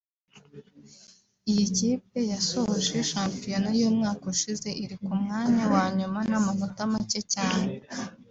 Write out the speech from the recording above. Iyi kipe yasoje shampiyona y’umwaka ushize iri ku mwanya wa nyuma n’amanota make cyane